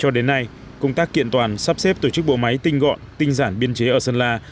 cho đến nay công tác kiện toàn sắp xếp tổ chức bộ máy tinh gọn tinh giản biên chế ở sơn la